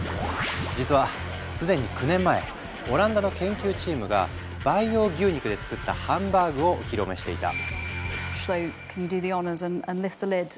実は既に９年前オランダの研究チームが培養牛肉で作ったハンバーグをお披露目していた。